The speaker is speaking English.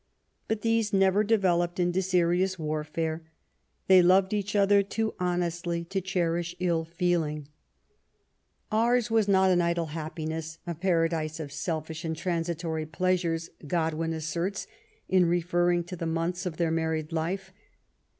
But these never developed into serious warfare. They loved each other too honestly to cherish ill feeling. 13 *^/' 196 MARY W0LL8T0NEGBAFT GODWIN. " Ours was not an idle happiness^ a paradise of selfish and transitory pleasures/' Grodwin asserts in referring to the months of their married life.